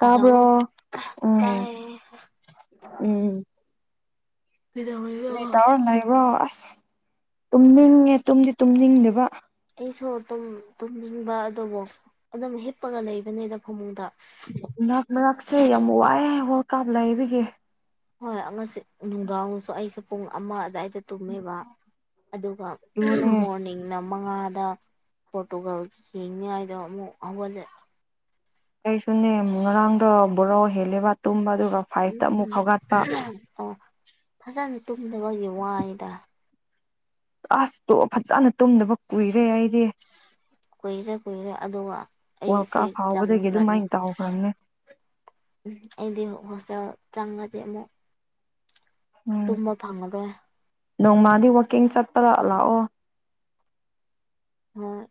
hello ꯎꯝ ꯇꯥꯏꯌꯦ ꯎꯝ ꯀꯩꯗꯧꯔꯤꯅꯣ ꯀꯔꯤ ꯇꯧꯔ ꯂꯩꯕ꯭ꯔꯣ ꯑꯁ ꯇꯨꯝꯅꯤꯡꯉꯦ ꯇꯨꯝꯗꯤ ꯇꯨꯝꯅꯤꯡꯗꯦꯕ ꯑꯩꯁꯨ ꯇꯨꯝ ꯇꯨꯝꯅꯤꯡꯕ ꯑꯗꯨꯕꯨ ꯑꯗꯨꯝ ꯍꯤꯞꯄꯒ ꯂꯩꯕꯅꯤꯅ ꯐꯃꯨꯡꯗ ꯃꯔꯛ ꯃꯔꯛꯁꯦ ꯌꯥꯝ ꯋꯥꯏꯑꯦ ꯋꯥꯜꯀꯥꯞ ꯂꯩꯕꯒꯤ ꯍꯣꯏ ꯑꯃꯁꯤ ꯅꯨꯡꯗꯥꯡꯁꯨ ꯑꯩꯁꯦ ꯄꯨꯡ ꯑꯃ ꯑꯗꯨꯏꯗ ꯇꯨꯝꯃꯦꯕ ꯑꯗꯨꯒ ꯑꯗꯨꯅꯦ ꯃꯣꯔꯅꯤꯡꯅ ꯃꯉꯥꯗ ꯄꯣꯔꯇꯨꯒꯥꯜꯒꯤ ꯌꯦꯡꯅꯤꯡꯉꯥꯏꯗꯣ ꯑꯃꯨꯛ ꯍꯧꯒꯜꯂꯦ ꯑꯩꯁꯨꯅꯦ ꯉꯔꯥꯡꯗꯣ ꯕꯣꯔꯣ ꯍꯦꯜꯂꯦꯕ ꯇꯨꯝꯕꯗꯣ ꯎꯝ ꯎꯝ ꯑꯣ ꯐꯖꯅ ꯇꯨꯝꯗꯕꯒꯤ ꯋꯥꯏꯌꯦꯗ ꯑꯁ ꯇꯣ ꯐꯖꯅ ꯇꯨꯝꯗꯕ ꯀꯨꯏ ꯔꯦ ꯀꯨꯏꯔꯦ ꯀꯨꯏꯔꯦ ꯑꯗꯨꯒ ꯋꯥꯔꯜ ꯑꯩꯁꯦ ꯀꯞ ꯍꯥꯎꯕꯗꯒꯤ ꯆꯝꯈ꯭ꯔꯅꯤ ꯑꯗꯨꯃꯥꯏꯅ ꯇꯧꯈ꯭ꯔꯕꯅꯦ ꯎꯝ ꯑꯩꯗꯤ ꯍꯣꯁꯇꯦꯜ ꯆꯪꯉꯗꯤ ꯑꯃꯨꯛ ꯎꯝ ꯇꯨꯝꯕ ꯐꯪꯉꯔꯣꯏ ꯅꯣꯡꯃꯗꯤ ꯋꯥꯛꯀꯤꯡ ꯆꯠꯄꯗ ꯂꯥꯛꯑꯣ ꯍꯣꯏ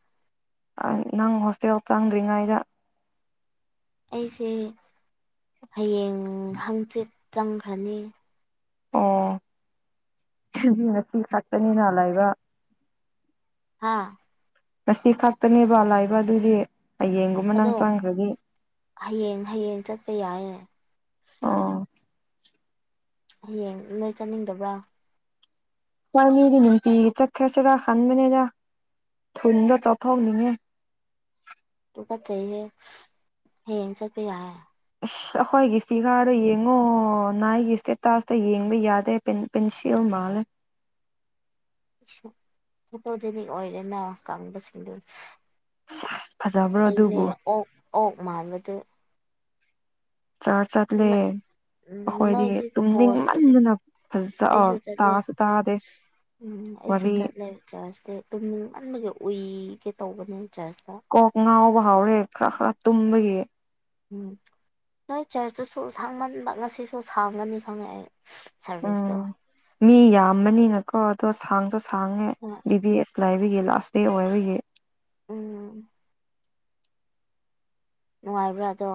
ꯅꯪ ꯍꯣꯁꯇꯦꯜ ꯆꯪꯗ꯭ꯔꯤꯉꯩꯗ ꯑꯩꯁꯦ ꯍꯌꯦꯡ ꯍꯪꯆꯤꯠ ꯆꯪꯈ꯭ꯔꯅꯤ ꯑꯣ ꯑꯗꯨ ꯉꯁꯤ ꯈꯛꯇꯅꯤꯅ ꯂꯩꯕ ꯍꯥꯥ ꯉꯁꯤ ꯈꯛꯇꯅꯦꯕ ꯂꯩꯏꯕ ꯑꯗꯨꯒꯤ ꯑꯗꯣ ꯍꯌꯦꯡ ꯍꯌꯦꯡ ꯆꯠꯄ ꯌꯥꯏꯌꯦ ꯑꯣ ꯍꯌꯦꯡ ꯅꯣꯏ ꯆꯠꯅꯤꯡꯗꯕ꯭ꯔꯥ ꯕꯅꯤꯗꯤ ꯅꯨꯡꯇꯤꯒꯤ ꯆꯠꯈ꯭ꯔꯁꯤꯔ ꯈꯟꯕꯅꯦꯗ ꯊꯨꯟꯗꯣ ꯆꯥꯎꯊꯣꯛ ꯅꯤꯡꯉꯦ ꯇꯨꯀꯠꯆꯩꯌꯦ ꯍꯌꯦꯡ ꯆꯠꯄ ꯌꯥꯏꯌꯦ ꯑꯁ ꯑꯩꯈꯣꯏꯒꯤ ꯐꯤꯒꯥꯔꯗ ꯌꯦꯡꯉꯣ ꯅꯥꯏꯒꯤ ꯏꯁꯇꯦꯇꯥꯁꯇ ꯌꯦꯡꯕ ꯌꯥꯗꯦ ꯄꯦꯟꯁꯤꯜ ꯃꯥꯜꯂꯦ ꯐꯣꯇꯣꯖꯦꯅꯤꯛ ꯑꯣꯏꯔꯦꯅ ꯀꯪꯕꯁꯤꯡꯗꯨ ꯁꯥꯁ ꯑꯩꯅꯦ ꯑꯣꯛ ꯑꯣꯛ ꯃꯥꯟꯕꯗꯨ ꯆꯔꯆ ꯆꯠꯂꯦ ꯑꯈꯣꯏꯗꯤ ꯅꯣꯏꯗꯤ ꯄꯣꯁꯁꯨ ꯇꯨꯝꯅꯤꯡꯃꯟꯗꯅ ꯐꯖ ꯑꯩꯁꯨ ꯆꯠꯂꯦ ꯇꯥꯁꯨ ꯇꯥꯗꯦ ꯎꯝ ꯑꯩꯁꯨ ꯋꯥꯔꯤ ꯆꯠꯂꯦ ꯆꯔꯆꯇꯤ ꯇꯨꯝꯅꯤꯡꯃꯟꯕꯒꯤ ꯎꯏꯒꯦ ꯇꯧꯕꯅꯦ ꯆꯔꯆꯇ ꯀꯣꯛ ꯉꯥꯎꯕ ꯍꯥꯎꯔꯦ ꯈꯔ ꯈꯔ ꯇꯨꯝꯕꯒꯤ ꯎꯝ ꯅꯣꯏ ꯆꯔꯆꯇꯨꯁꯨ ꯁꯥꯡꯃꯟꯕ ꯉꯁꯤꯁꯨ ꯁꯥꯡꯒꯅꯤ ꯈꯪꯉꯦ ꯑꯩ ꯁꯥꯔꯚꯤꯁꯇꯣ ꯎꯝ ꯃꯤ ꯌꯥꯝꯕꯅꯤꯅꯀꯣ ꯑꯗꯣ ꯁꯥꯡꯁꯨ ꯁꯥꯡꯉꯦ ꯕꯤꯕꯤ ꯑꯦꯁꯂꯥꯏ ꯑꯗꯨꯒꯤ ꯂꯥꯁ ꯗꯦ ꯑꯣꯏꯕꯒꯤ ꯎꯝ ꯅꯨꯡꯉꯥꯏꯕ꯭ꯔꯥ ꯑꯗꯣ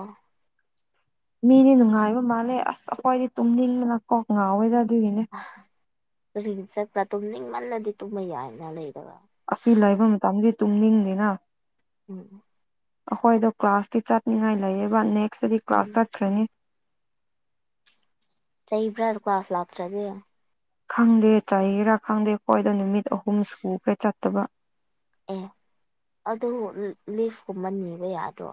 ꯃꯤꯗꯤ ꯅꯨꯡꯉꯥꯏꯕ ꯃꯥꯜꯂꯦ ꯑꯁ ꯑꯈꯣꯏꯗꯤ ꯇꯨꯝꯅꯤꯡꯕꯅꯥ ꯀꯣꯛ ꯉꯥꯎꯋꯦꯗꯥ ꯀꯔꯤꯒꯤ ꯆꯠꯄ ꯇꯨꯝꯅꯤꯡꯃꯜꯂꯗꯤ ꯇꯨꯝꯕ ꯌꯥꯏꯅ ꯂꯩꯔꯒ ꯑꯁꯤ ꯂꯩꯏꯕ ꯃꯇꯝꯗꯤ ꯇꯨꯝꯅꯤꯡꯗꯤꯅꯥ ꯎꯝ ꯑꯈꯣꯏꯗꯣ ꯀ꯭ꯂꯥꯁꯇꯤ ꯆꯠꯅꯤꯉꯥꯏ ꯂꯩꯌꯦꯕꯥ ꯅꯦꯛꯁꯇꯗꯤ ꯎꯝ ꯀ꯭ꯂꯥꯁ ꯆꯠꯈ꯭ꯔꯅꯤ ꯀꯤꯕ꯭ꯔꯥ ꯀ꯭ꯂꯥꯁ ꯂꯥꯛꯇ꯭ꯔꯗꯤ ꯈꯪꯗꯦ ꯀꯥꯔꯤꯔꯥ ꯈꯪꯗꯦ ꯈꯣꯏꯗ ꯅꯨꯃꯤꯠ ꯑꯍꯨꯝ ꯁꯨꯈ꯭ꯔꯦ ꯆꯠꯇꯕꯥ ꯑꯦ ꯑꯗꯨ ꯂꯤ ꯂꯤꯐ ꯀꯨꯝꯕ ꯅꯤꯕ ꯌꯥꯗ꯭ꯔꯣ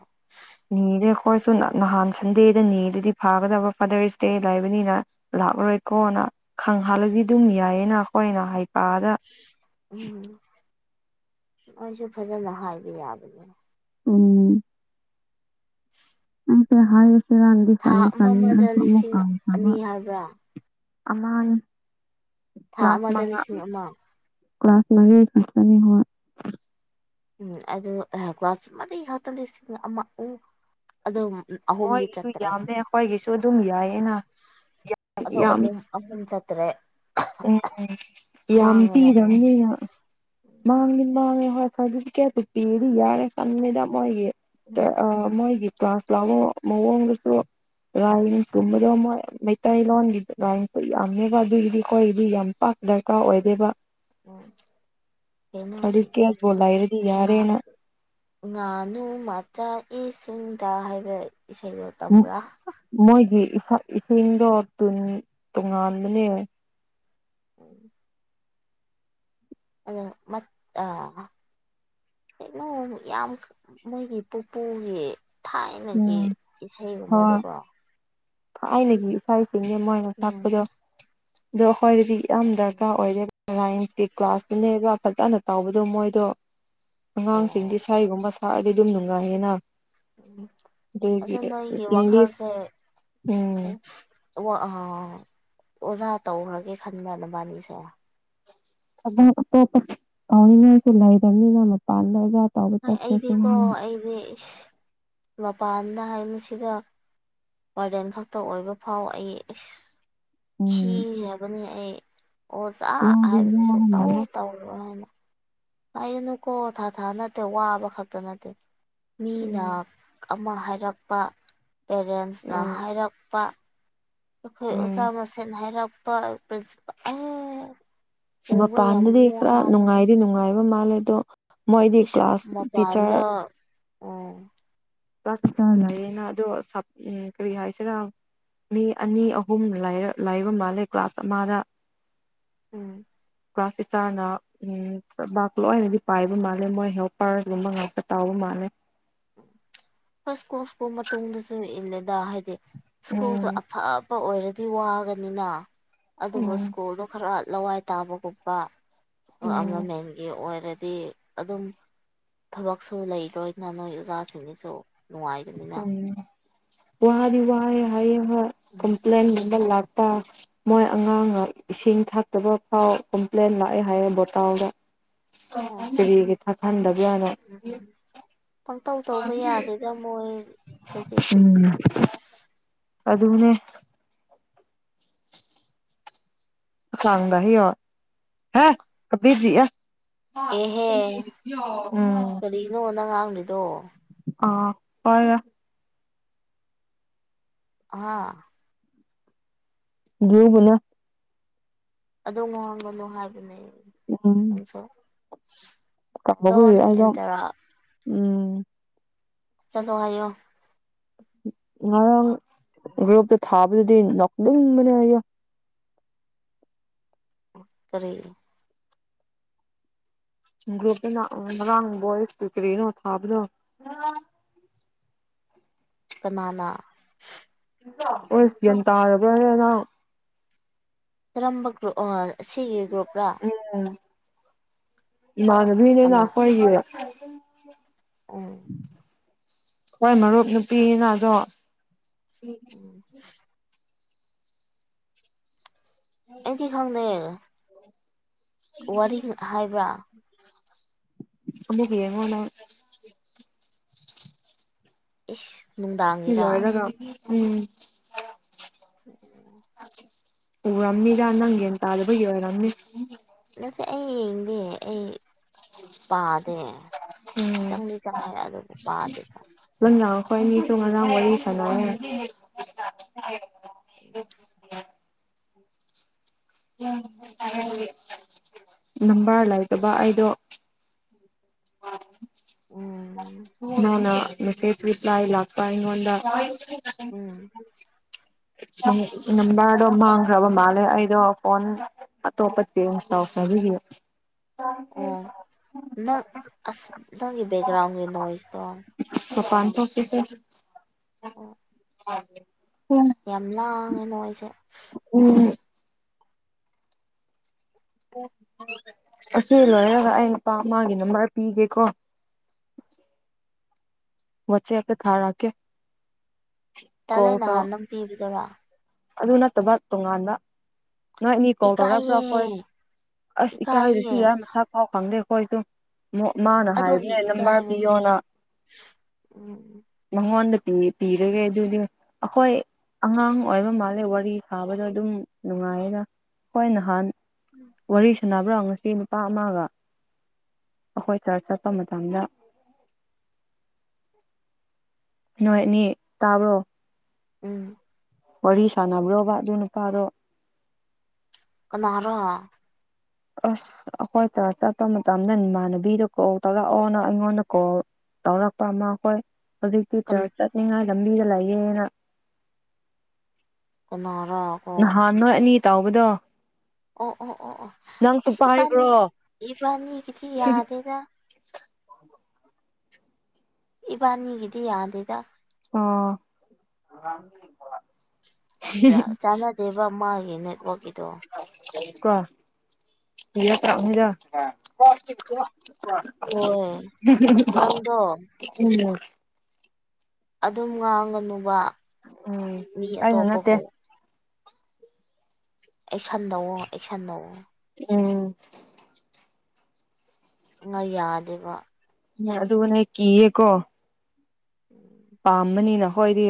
ꯅꯤꯗꯦ ꯈꯣꯏꯁꯨ ꯅꯍꯥꯟ ꯁꯟꯗꯦꯗ ꯅꯤꯗꯨꯗꯤ ꯐꯥꯒꯗꯕ ꯐꯥꯗꯔꯁ ꯗꯦ ꯂꯥꯏꯕꯅꯤꯅ ꯂꯥꯛꯂꯔꯣꯏꯀꯣꯅ ꯈꯪꯍꯜꯂꯥꯗꯤ ꯑꯗꯨꯝ ꯌꯥꯏꯌꯦꯅꯥ ꯑꯩꯈꯣꯏꯅ ꯍꯥꯏ ꯎꯝ ꯑꯥꯏꯖꯨ ꯐꯖꯅ ꯍꯥꯏꯕ ꯌꯥꯕꯅꯦ ꯎꯝ ꯑꯩꯁꯦ ꯍꯥꯏꯔꯁꯤꯔꯥꯅꯗꯤ ꯊꯥ ꯈꯟꯗꯤ ꯈꯟꯕꯅꯦ ꯑꯃꯃꯗ ꯑꯩꯁꯨ ꯑꯃꯨꯛ ꯂꯤꯁꯤꯡ ꯀꯥꯎꯈ꯭ꯔꯕꯥ ꯑꯅꯤ ꯍꯥꯏꯕ꯭ꯔꯥ ꯑꯃꯥꯅꯤ ꯊꯥ ꯑꯃꯗ ꯂꯤꯁꯤꯡ ꯑꯃ ꯀ꯭ꯂꯥꯁ ꯃꯔꯤ ꯈꯛꯇꯅꯤ ꯍꯣꯏ ꯎꯝ ꯑꯗꯨ ꯑꯍꯥ ꯀ꯭ꯂꯥꯁ ꯃꯔꯤ ꯈꯛꯇ ꯂꯤꯁꯤꯡ ꯑꯃ ꯎꯝ ꯑꯗꯨ ꯃꯣꯏꯒꯤꯁꯨ ꯌꯥꯝꯃꯦ ꯑꯩꯈꯣꯏꯒꯤꯁꯨ ꯑꯗꯨꯝ ꯌꯥꯏꯌꯦꯅꯥ ꯑꯗꯣ ꯑꯍꯨꯝ ꯑꯍꯨꯝ ꯆꯠꯇꯔꯦ ꯑꯦ ꯌꯥꯝ ꯅꯣꯏ ꯄꯤꯗꯝꯅꯤꯅ ꯃꯥꯡꯗꯤ ꯃꯥꯡꯉꯦ ꯍꯣꯏ ꯁꯔꯇꯤꯐꯤꯀꯦꯠꯄꯨ ꯄꯤꯔꯗꯤ ꯌꯥꯔꯦ ꯇꯟꯂꯤꯗꯥ ꯃꯣꯏꯒꯤ ꯎꯝ ꯑꯥ ꯃꯣꯏꯒꯤ ꯀ꯭ꯂꯥꯁ ꯂꯧꯋꯥ ꯃꯑꯣꯡꯗꯨꯁꯨ ꯎꯝ ꯔꯥꯏꯒꯨꯝꯕꯗꯣ ꯃꯣꯏ ꯃꯩ ꯇꯩꯂꯣꯟꯒꯤꯒꯥ ꯌꯥꯝꯃꯦꯕꯥ ꯑꯗꯨꯒꯤꯗꯤ ꯀꯣꯏꯒꯤꯗꯤ ꯌꯥꯝ ꯄꯥꯛ ꯗꯔꯀꯥꯔ ꯎꯝ ꯑꯣꯏꯗꯦꯕꯥ ꯎꯝ ꯀꯩꯅꯣ ꯁꯔꯇꯤꯐꯤꯀꯦꯠꯕꯣ ꯂꯥꯏꯔꯗꯤ ꯉꯥ ꯌꯥꯔꯦꯅꯥ ꯉꯥꯅꯨ ꯃꯆꯥ ꯏꯁꯤꯡꯗ ꯍꯥꯏꯕ꯭ꯔꯥ ꯏꯁꯩꯗꯣ ꯇꯝꯕ꯭ꯔꯥ ꯐꯛ ꯏꯁꯤꯡꯗꯣ ꯇꯨꯟ ꯇꯣꯉꯥꯟꯕꯅꯦ [inaudible] ꯑ ꯃꯠ ꯑꯥ ꯀꯩꯅꯣ ꯌꯥꯝ ꯃꯣꯏꯒꯤ ꯄꯨꯄꯨꯒꯤ ꯊꯥꯏꯅꯒꯤ ꯎꯝ ꯍꯣꯏ ꯏꯁꯩꯒꯨꯝꯕꯗꯨꯀꯣ ꯊꯥꯏꯅꯒꯤ ꯏꯁꯥꯏꯁꯤꯡꯖꯦ ꯃꯣꯏꯅ ꯎꯝ ꯇꯥꯛꯄꯗꯣ ꯑꯗꯣ ꯑꯈꯣꯏꯗꯗꯤ ꯌꯥꯝ ꯗꯔꯀꯥꯔ ꯑꯣꯏꯔꯦ ꯔꯥꯏꯝꯁꯀꯤ ꯀ꯭ꯂꯥꯁꯇꯨꯅꯦꯕꯥ ꯐꯖꯅ ꯇꯧꯕꯗꯣ ꯃꯣꯏꯗꯣ ꯑꯣ ꯑꯉꯥꯡꯁꯤꯡꯗꯤ ꯏꯁꯩꯒꯨꯝꯕ ꯁꯛꯑꯗꯤ ꯑꯗꯨꯝ ꯅꯨꯡꯉꯥꯏꯌꯦꯅꯥ ꯎꯝ ꯑꯗꯨ ꯅꯣꯏꯒꯤ ꯏꯪꯂꯤꯁ ꯋꯥꯈꯜꯁꯦ ꯎꯝ ꯑꯣ ꯑꯥ ꯑꯣꯖꯥ ꯇꯧꯈ꯭ꯔꯒꯦ ꯈꯟꯕ꯭ꯔ ꯅꯕꯥꯅꯤꯁꯦ ꯊꯕꯛ ꯑꯇꯣꯞꯄ ꯇꯧꯅꯤꯡꯉꯥꯏꯁꯨ ꯂꯩꯇꯝꯅꯤꯅ ꯃꯥꯇꯝꯗꯣ ꯍꯣꯏ ꯑꯩꯗꯤꯀꯣ ꯑꯩꯗꯤ ꯏꯁ ꯃꯄꯥꯥꯟ ꯗꯥ ꯍꯥꯏꯕꯁꯤꯗꯥ ꯋꯥꯔꯗꯦꯟ ꯈꯛꯇ ꯑꯣꯏꯕ ꯐꯥꯎ ꯑꯩ ꯏꯁ ꯎꯝ ꯈꯤꯒ꯭ꯔꯕꯅꯦ ꯑꯩ ꯑꯣꯖꯥ ꯋꯥꯗꯤ ꯍꯥꯏꯕꯗꯨ ꯋꯥꯕ ꯁꯨꯛꯇꯧ ꯃꯥꯜꯂꯦ ꯇꯧꯔꯣꯏ ꯍꯥꯏꯅ ꯍꯥꯏꯒꯅꯨꯀꯣ ꯊꯥ ꯊꯥ ꯅꯠꯇꯦ ꯋꯥꯕ ꯈꯛꯇ ꯅꯠꯇꯦ ꯃꯤꯅ ꯎꯝ ꯑꯃ ꯍꯥꯏꯔꯛꯄ ꯄꯦꯔꯦꯟꯁꯅ ꯎꯝ ꯍꯥꯏꯔꯛꯄ ꯑꯩꯈꯣꯏ ꯎꯝ ꯑꯣꯖꯥ ꯃꯁꯦꯟ ꯍꯥꯏꯔꯛꯄ ꯄ꯭ꯔꯤ ꯑꯦ ꯄꯨꯕ ꯌꯥꯝ ꯃꯄꯥꯟꯗꯗꯤ ꯈꯔ ꯋꯥꯕꯅꯦ ꯅꯨꯡꯉꯥꯏꯗꯤ ꯅꯨꯡꯉꯥꯏꯕ ꯃꯥꯜꯂꯦ ꯑꯗꯣ ꯃꯣꯏꯗꯤ ꯏꯁ ꯀ꯭ꯂꯥꯁ ꯃꯄꯥꯟꯗ ꯇꯤꯆꯔ ꯑꯣ [unintelligible] ꯑꯗꯣ ꯁꯞ ꯀꯔꯤ ꯍꯥꯏꯁꯤꯔꯥ ꯃꯤ ꯑꯅꯤ ꯑꯍꯨꯝ ꯂꯩ ꯂꯥꯏꯕ ꯃꯥꯜꯂꯦ ꯀ꯭ꯂꯥꯁ ꯑꯃꯗ ꯎꯝ ꯀ꯭ꯂꯥꯁ ꯇꯤꯆꯥꯔꯅ ꯎꯝ ꯕꯥꯥꯛ ꯂꯣꯏꯅꯗꯤ ꯄꯥꯏꯕ ꯃꯥꯜꯂꯦ ꯃꯣꯏ ꯍꯦꯜꯄꯔꯒꯨꯝꯕ ꯉꯥꯛꯇ ꯇꯧꯕ ꯃꯥꯜꯂꯦ ꯑꯂꯦ ꯍꯣꯏ ꯁ꯭ꯄꯨꯜ ꯁ꯭ꯀꯨꯜ ꯃꯇꯨꯡꯗꯁꯨ ꯏꯜꯂꯦꯗ ꯍꯥꯏꯗꯤ ꯁ꯭ꯀꯨꯜꯗꯣ ꯎꯝ ꯑꯐꯕ ꯑꯣꯏꯔꯗꯤ ꯋꯥꯒꯅꯤꯅ ꯑꯗꯨꯕꯨ ꯎꯝ ꯁ꯭ꯀꯨꯜꯗꯣ ꯈꯔ ꯂꯋꯥꯏ ꯇꯥꯕꯒꯣꯠꯄ ꯎꯝ ꯑꯃꯃꯦꯟꯒꯤ ꯑꯣꯏ ꯑꯗꯤ ꯑꯗꯨꯝ ꯊꯕꯛꯁꯨ ꯂꯩꯔꯣꯏꯅ ꯅꯣꯏ ꯑꯣꯖꯥꯁꯤꯡꯁꯤꯁꯨ ꯅꯨꯡꯉꯥꯏꯒꯅꯤꯅ ꯎꯝ ꯋꯥꯗꯤ ꯋꯥ ꯍꯥꯏ ꯍꯥꯢꯌꯦ ꯍꯣꯢ ꯎꯝ ꯀꯝꯄ꯭ꯂꯦꯟ ꯒꯨꯝꯕ ꯂꯥꯛ ꯃꯣꯏ ꯑꯉꯥꯡ ꯏꯁꯤꯡ ꯊꯥꯛꯇꯕ ꯐꯥꯎ ꯀꯝꯄ꯭ꯂꯦꯟ ꯂꯥꯛꯑꯦ ꯍꯥꯏꯌꯦ ꯕꯣꯇꯥꯎꯜꯗ ꯍꯣꯏ ꯀ꯭ꯔꯤ ꯒꯤ ꯊꯛꯍꯟꯗ ꯎꯝ ꯄꯪꯇꯧ ꯇꯧꯕ ꯌꯥꯗꯦꯗ ꯃꯣꯏ [unintelligible] ꯎꯝ ꯑꯗꯨꯅꯦ [unintelligible] ꯑꯦꯍꯦ ꯎꯝ ꯑꯗꯣ ꯑꯥ ꯄꯔ ꯑꯍꯥ ꯗꯨꯒꯨꯅ ꯑꯗꯣ ꯉꯍꯥꯡꯕꯅꯣ ꯍꯥꯏꯕꯅꯦ ꯅꯪꯁꯨ [unintelligible] ꯀꯝꯕꯒꯤ ꯗꯣꯟ ꯑꯩꯗꯣ ꯑꯦꯟꯇꯔꯥ ꯎꯝ ꯆꯂꯣ ꯍꯥꯏꯌꯣ ꯉꯔꯥꯡ ꯒ꯭ꯔꯨꯞꯇ ꯊꯥꯕꯗꯨꯗꯤ ꯅꯣꯛꯅꯤꯡꯕꯅꯦ ꯑꯌꯣ ꯀꯔꯤ ꯒ꯭ꯔꯨꯞꯇꯅ ꯉꯥꯔꯥꯡ ꯕꯣꯏꯁꯇꯨ ꯀ꯭ꯔꯤꯅꯣ ꯊꯥꯕꯗꯣ ꯀꯅꯥꯅ ꯑꯣꯏꯁꯦꯟ ꯇꯥꯔꯕꯅꯦ ꯅꯪ ꯀꯔꯝꯕ ꯒ꯭ꯔꯨꯞ ꯑꯣ ꯁꯤꯒꯤ ꯒ꯭ꯔꯨꯞ ꯔ ꯃꯥꯅꯕꯤꯅꯦ ꯀꯅꯥ ꯂꯥꯛꯄ ꯑꯩꯒꯤ ꯎꯝ ꯍꯣꯏ ꯃꯔꯨꯞ ꯅꯨꯄꯤꯅꯤꯅ ꯑꯗꯣ ꯎꯝ ꯑꯩꯗꯤ ꯈꯪꯗꯦ ꯋꯥꯔꯤꯡ ꯍꯥꯏꯕ꯭ꯔꯥ ꯑꯃꯕꯨ ꯌꯦꯡꯉꯣ ꯅꯪ ꯏꯁ ꯅꯨꯡꯗꯥꯡꯒꯤꯔꯥ ꯏꯂꯣꯢꯔꯒ ꯎꯝ ꯎꯔꯝꯅꯤꯗ ꯅꯪ ꯌꯦꯟ ꯇꯥꯗꯕꯒꯤ ꯑꯣꯢꯔꯝꯅꯤ ꯅꯇꯦ ꯑꯩ ꯌꯦꯡꯗꯦ ꯑꯩ ꯄꯥꯗꯦ ꯎꯝ ꯆꯪꯗꯤ ꯆꯪꯉꯦ ꯑꯗꯨꯕꯨ ꯄꯥꯗꯦ ꯀꯣꯏꯅꯤꯁꯨ ꯉꯔꯥꯡ ꯋꯥꯔꯤ ꯁꯅꯌꯦ ꯅꯝꯕꯔ ꯂꯩꯇꯕ ꯑꯩꯗꯣ ꯎꯝ [unintelligible] [inaudible] ꯎꯝ ꯅꯝꯕꯔꯗꯣ ꯃꯥꯡꯈ꯭ꯔꯕ ꯃꯥꯜꯂꯦ ꯑꯩꯗꯣ ꯐꯣꯟ ꯑꯇꯣꯞꯄꯇꯤ ꯇꯧꯈ꯭ꯔꯕꯒꯤ ꯑꯣ ꯅꯪ ꯑꯁ ꯅꯪꯒꯤ ꯕꯦꯛꯒ꯭ꯔꯥꯎꯟꯒꯤ ꯅꯣꯏꯁꯇꯣ ꯃꯄꯥꯟ ꯊꯣꯛꯀꯦꯁꯦ ꯑꯣ ꯌꯥꯝ ꯂꯥꯡꯉꯦ ꯅꯣꯏꯁꯦ ꯎꯝ ꯑꯁꯤ ꯂꯣꯏꯔꯒ ꯑꯩ ꯅꯨꯄꯥ ꯑꯃꯒꯤ ꯅꯝꯕꯔ ꯄꯤꯒꯦꯀꯣ [inaudible] ꯋꯥꯆꯦꯞꯇ ꯊꯥꯔꯛꯀꯦ ꯇꯜꯂꯦ ꯀꯣꯜ ꯇꯧ ꯅꯍꯥꯟ ꯅꯪ ꯄꯤꯕꯗꯨꯔ ꯑꯗꯨ ꯅꯠꯇꯕ ꯇꯣꯉꯥꯟꯕ ꯅꯣꯏꯅꯤ ꯀꯣꯜ ꯇꯧꯔꯛꯄ꯭ꯔꯥ ꯏꯀꯥꯏꯌꯦ ꯑꯩꯈꯣꯏ ꯑꯁ ꯏꯀꯥꯏꯕꯁꯨ ꯏꯀꯥꯏꯌꯦ ꯌꯥꯝ ꯃꯁꯥꯛ ꯐꯥꯎ ꯈꯪꯗꯦ ꯍꯣꯏꯗꯨ ꯃꯥꯅ ꯑꯗꯨꯒꯤ ꯍꯥꯏꯕꯅꯦ ꯅꯝꯕꯔ ꯏꯀꯥꯏꯕꯅꯦ ꯄꯤꯌꯣꯅ ꯎꯝ ꯃꯉꯣꯟꯗ ꯄꯤ ꯄꯤꯔꯒꯦ ꯑꯗꯨꯗꯤ ꯑꯩꯈꯣꯏ ꯑꯉꯥꯡ ꯑꯣꯏꯕ ꯃꯥꯜꯂꯦ ꯋꯥꯔꯤ ꯁꯥꯕꯗꯣ ꯑꯗꯨꯝ ꯅꯨꯡꯉꯥꯏꯌꯦꯗ ꯍꯣꯏ ꯅꯍꯥꯟ ꯋꯥꯔꯤ ꯁꯥꯟꯅꯕ꯭ꯔꯣ ꯉꯁꯤ ꯅꯨꯄꯥ ꯑꯃꯒ ꯑꯩꯈꯣꯏ ꯆꯔ ꯆꯠꯄ ꯃꯇꯝꯗ [inaudible] ꯅꯣꯏꯅꯤ ꯇꯥꯕ꯭ꯔꯣ ꯎꯝ ꯋꯥꯔꯤ ꯁꯥꯟꯅꯕ꯭ꯔꯣꯕ ꯑꯗꯨ ꯅꯨꯄꯥꯗꯣ ꯀꯅꯔꯣ ꯑꯁ ꯑꯩꯈꯣꯏ ꯆꯔꯖ ꯆꯠꯄ ꯃꯇꯝꯗ ꯏꯃꯥꯟꯅꯕꯤꯗ ꯀꯣꯜ ꯇꯥꯛꯂꯛꯑꯣꯅ ꯑꯩꯉꯣꯟꯗ ꯀꯣꯜ ꯇꯧꯔꯄ ꯑꯃ ꯑꯩꯈꯣꯏ ꯍꯧꯖꯤꯛꯇꯤ ꯀꯟ ꯆꯔ꯭ꯖ ꯆꯠꯅꯤꯉꯥꯏ ꯂꯝꯕꯤꯗ ꯂꯩꯌꯦꯅ ꯀꯅꯥ ꯅꯍꯥꯟ ꯅꯣꯏ ꯑꯅꯤ ꯇꯥꯎꯕꯗꯣ ꯑꯣ ꯑꯣ ꯑꯣ ꯑꯣ ꯑꯁ ꯏꯕꯥꯅꯤ ꯄꯥꯏꯈ꯭ꯔꯣ ꯏꯕꯥꯅꯤꯒꯤꯗꯤ ꯌꯥꯗꯦꯗ ꯏꯕꯅꯤꯒꯤꯗꯤ ꯌꯥꯗꯦꯗ ꯑꯣ ꯆꯥꯟꯅꯗꯦꯕ ꯃꯥꯒꯤ ꯅꯦꯠꯋꯥꯛꯀꯤꯗꯣ ꯌꯦ ꯇ꯭ꯔꯥ ꯌꯥꯥ ꯍꯣꯏ [unintelligible] ꯅꯪꯗꯣ ꯎꯝ [unintelligible] ꯑꯗꯨꯝ ꯉꯥꯡꯒꯅꯨꯕ ꯎꯝ ꯃꯤ ꯑꯩꯅ ꯅꯠꯇꯦ ꯑꯇꯣꯞꯄꯕꯨ ꯑꯦꯛ ꯁꯟꯇꯧꯑꯣ ꯑꯩꯛ ꯁꯟꯗꯧꯑꯣ ꯎꯝ ꯉ ꯌꯥꯗꯦꯕ ꯑꯗꯨꯒꯅꯦ ꯀꯤꯌꯦꯀꯣ ꯎꯝ ꯄꯥꯝꯕꯅꯤꯅ ꯍꯣꯏꯗꯤ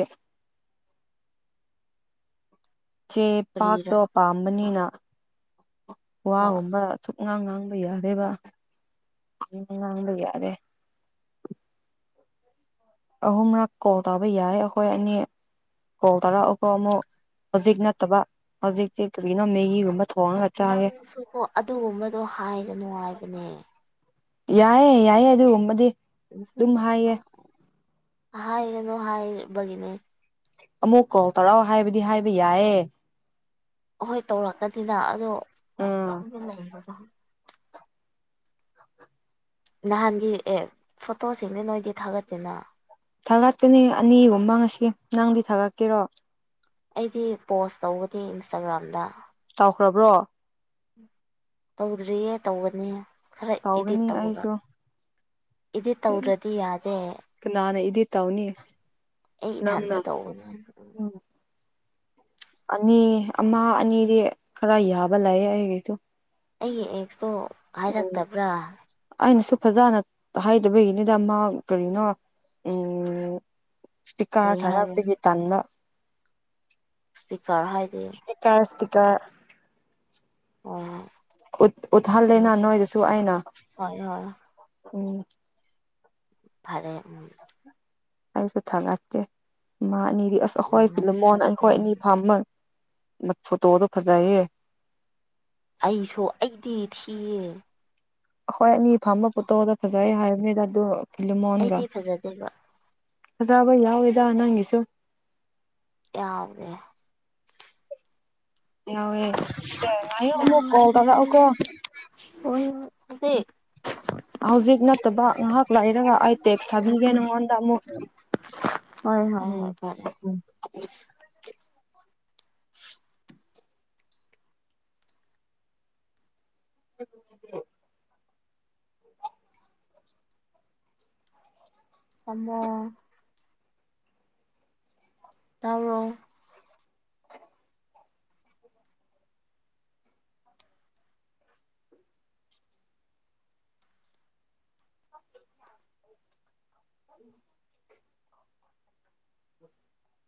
ꯆꯦ ꯀꯔꯤꯔ ꯄꯥꯛꯇꯣ ꯄꯥꯝꯕꯅꯤꯅ ꯍꯣꯏ ꯋꯥꯒꯨꯝꯕ ꯁꯨꯝ ꯉꯥꯡ ꯉꯥꯡꯕ ꯌꯥꯔꯦꯕ ꯑ ꯉꯥꯡꯕ ꯌꯥꯔꯦ ꯑꯍꯨꯝꯔꯛ ꯀꯣꯜ ꯇꯩꯕ ꯌꯥꯔꯦ ꯑꯩꯈꯣꯏ ꯑꯅꯤ ꯀꯣꯜ ꯇꯥꯔꯛꯎꯀꯣ ꯑꯃꯨꯛ ꯍꯧꯖꯤꯛ ꯅꯠꯇꯕ ꯍꯧꯖꯤꯛꯁꯦ ꯀꯔꯤꯅꯣ ꯃꯦꯒꯤꯒꯨꯝꯕ ꯊꯣꯡꯉꯒ ꯆꯥꯒꯦ ꯅꯪꯁꯨꯀꯣ ꯑꯗꯨꯒꯨꯝꯕꯗꯣ ꯍꯥꯏꯒꯅꯨ ꯍꯥꯏꯕꯅꯦ ꯌꯥꯏꯌꯦ ꯌꯥꯏꯌꯦ ꯑꯗꯨꯒꯨꯝꯕꯗꯤ ꯑꯗꯨꯝ ꯍꯥꯏꯌꯦ ꯍꯥꯏꯒꯅꯣ ꯍꯥꯏꯕꯒꯤꯅꯦ ꯑꯃꯨꯛ ꯀꯣꯜ ꯇꯧꯔꯣ ꯍꯥꯏꯕꯗꯤ ꯍꯥꯏꯕ ꯌꯥꯏꯌꯦ ꯍꯣꯏ ꯇꯧꯔꯛꯀꯗꯤꯗ ꯑꯗꯣ ꯎꯝ ꯅꯍꯥꯟꯒꯤ ꯑꯦ ꯐꯣꯇꯣꯁꯤꯡꯗꯤ ꯅꯣꯏꯗꯤ ꯊꯥꯒꯠꯇꯦꯅ ꯊꯥꯒꯠꯄꯅꯦ ꯑꯅꯤꯒꯨꯝꯕꯉꯁꯤ ꯅꯪꯗꯤ ꯊꯥꯒꯠꯀꯦꯔꯣ ꯑꯩꯗꯤ ꯄꯣꯁ ꯇꯧꯕꯗꯤ ꯏꯟꯁꯇꯥꯒ꯭ꯔꯥꯝꯗ ꯇꯥꯎꯈ꯭ꯔꯥꯕ꯭ꯔꯣ ꯇꯧꯗ꯭ꯔꯤꯌꯦ ꯇꯧꯒꯅꯤꯌꯦ ꯈꯔ ꯏꯗꯤꯠ ꯇꯧꯒꯅꯤ ꯇꯧꯔꯒ ꯑꯩꯁꯨ ꯏꯗꯤꯠ ꯇꯧꯗ꯭ꯔꯗꯤ ꯌꯥꯗꯦ ꯀꯅꯥꯅ ꯏꯗꯤꯠ ꯇꯧꯅꯤ ꯑꯩ ꯅꯪꯅ ꯏꯊꯟꯇ ꯇꯧꯕ ꯑꯅꯤ ꯑꯃ ꯑꯅꯤꯗꯤ ꯈꯔ ꯌꯥꯕ ꯂꯩꯌꯦ ꯑꯩꯒꯤꯁꯨ ꯑꯩꯒꯤ ꯑꯦꯛꯁꯇꯣ ꯎꯝ ꯍꯥꯏꯔꯛꯇꯕ꯭ꯔꯥ ꯑꯩꯅꯁꯨ ꯐꯖꯅ ꯍꯥꯏꯗꯕꯒꯤꯅꯤꯗ ꯃꯥ ꯀꯔꯤꯅꯣ ꯎꯝ ꯁꯇꯤꯀꯥꯔ ꯀꯔꯤ ꯍꯥꯏꯕ꯭ꯔꯥ ꯊꯥꯔꯛꯄꯒꯤ ꯇꯥꯟꯕ ꯆꯍꯥꯏ ꯗꯤ ꯇ ꯑꯣ ꯎꯠꯍꯜꯂꯦꯅ ꯎꯝ ꯅꯣꯏꯗꯁꯨ ꯑꯩꯅ ꯍꯣꯏ ꯍꯣꯏ ꯎꯝ ꯐꯔꯦ ꯎꯝ ꯑꯩꯁꯨ ꯊꯉꯠꯇꯦ ꯑꯃ ꯑꯅꯤꯗꯤ ꯑꯁ ꯑꯩꯈꯣꯏ ꯆꯤꯜꯂꯝꯨꯃꯣꯟ ꯃꯁꯛꯇꯤ ꯑꯩꯈꯣꯏ ꯑꯅꯤ ꯐꯥꯝꯃꯟ ꯃꯠ ꯐꯣꯇꯣꯗꯣ ꯐꯖꯩꯌꯦ ꯑꯩꯁꯨ ꯑꯩꯗꯤ ꯊꯤꯌꯦ ꯑꯩꯈꯣꯏ ꯑꯅꯤ ꯐꯝꯝꯕ ꯐꯣꯇꯣꯗ ꯐꯖꯩ ꯍꯥꯏꯕꯅꯤꯗ ꯑꯗꯨ ꯑꯩꯗꯤ ꯐꯖꯗꯦꯕ ꯐꯖꯥꯕ ꯌꯥꯎꯋꯦꯗ ꯅꯪꯒꯤꯁꯨ ꯌꯥꯎꯗꯦ ꯌꯥꯎꯋꯦ ꯑꯦ ꯉꯥꯏꯌꯨ ꯑꯃꯨꯛ ꯀꯣꯜ ꯇꯔꯛ ꯑꯣ ꯀꯣ ꯍꯣꯏꯁꯦ [unintelligible] ꯍꯧꯖꯤꯛ ꯅꯠꯇꯕ ꯉꯥꯏꯍꯥꯛ ꯂꯥꯛꯔꯒ ꯑꯩ ꯇꯦꯛꯁ ꯊꯥꯕꯤꯒꯦ ꯅꯪꯉꯣꯟꯗ ꯑꯃꯨꯛ ꯍꯣꯏ ꯍꯣꯏ ꯎꯝ ꯍꯣꯏ ꯐꯔꯦ ꯎꯝ [inaudible] ꯊꯝꯃꯣ ꯇꯥꯕ꯭ꯔꯣ [inaudible] [inaudible] [inaudible]